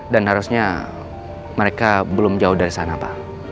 dan harusnya mereka belum jauh dari sana pak